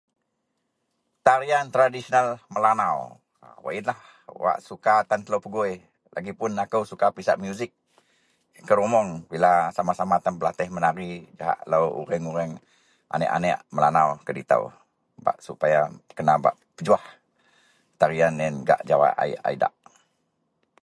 Tarian tradisional melanau wak iyenlah wak suka tan telo pegoi lageipuon ako suka pisak musik, kerumong bila sama-sama tan belatih menari jahak oreng-oreng anek-anek melanau kedito. Bak supaya kena bak pejuwah tarian iyen gak jawai a idak.